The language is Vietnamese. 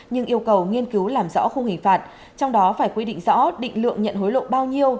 nhưng yêu cầu nghiên cứu làm rõ khung hình phạt trong đó phải quy định rõ định lượng nhận hối lộ bao nhiêu